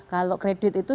kalau kredit itu